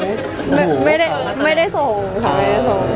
แต่จริงแล้วเขาก็ไม่ได้กลิ่นกันว่าถ้าเราจะมีเพลงไทยก็ได้